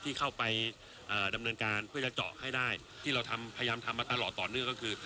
ที่เข้าไปดำเนินการเพื่อจะเจาะให้ได้ที่เราทำพยายามทำมาตลอดต่อเนื่องก็คือ